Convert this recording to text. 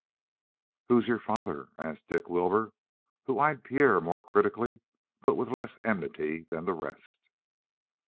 "Who's your father?" asked Dick Wilbur, who eyed Pierre more critically but with less enmity than the rest.